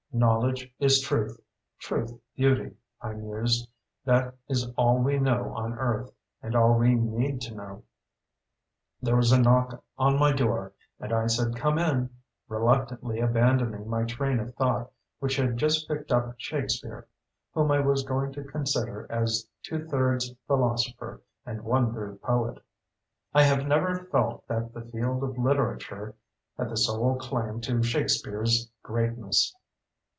Knowledge is truth, truth beauty, I mused, that is all we know on Earth, and all we need to know. There was a knock on my door and I said come in, reluctantly abandoning my train of thought which had just picked up Shakespeare, whom I was going to consider as two thirds philosopher and one third poet. I have never felt that the field of literature had the sole claim to Shakespeare's greatness.